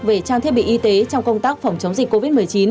về trang thiết bị y tế trong công tác phòng chống dịch covid một mươi chín